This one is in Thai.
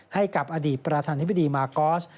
ให้กับอดีตประธานธิบดีมากอส